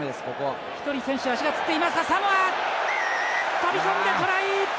サモア、飛び込んでトライ！